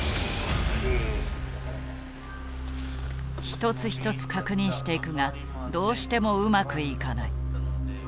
一つ一つ確認していくがどうしてもうまくいかない。